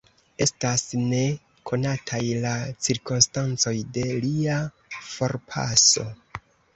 Estas ne konataj la cirkonstancoj de lia forpaso.